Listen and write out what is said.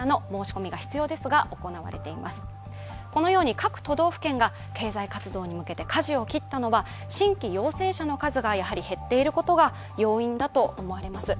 各都道府県が経済活動に向けてかじを切ったのは新規陽性者の数が、やはり減っているのが要因だと思われます。